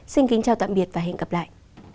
xin kính chào tạm biệt và hẹn gặp lại